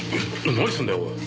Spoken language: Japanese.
何すんだよおい。